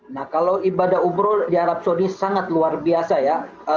nah kalau ibadah umroh di arab saudi sangat luar biasa ya